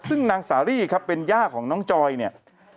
ซึ่งนางสารี่ครับเป็นย่าของน้องจอยเนี่ย